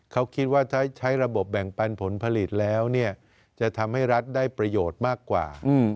เขาคิดว่าถ้าใช้ระบบแบ่งปันผลผลิตแล้วเนี่ยจะทำให้รัฐได้ประโยชน์มากกว่า